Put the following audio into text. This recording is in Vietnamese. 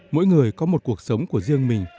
mỗi người có một cuộc sống của riêng mình